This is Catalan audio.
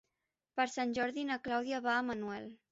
Per Sant Jordi na Clàudia va a Manuel.